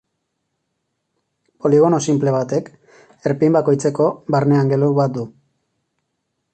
Poligono sinple batek, erpin bakoitzeko barne angelu bat du.